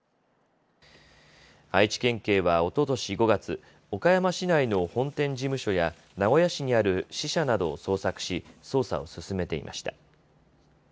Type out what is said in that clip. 愛知県警はおととし５月、岡山市内の本店事務所や名古屋市にある支社などを捜索し捜査を進めていました。